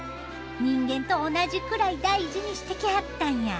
人間と同じくらい大事にしてきはったんや。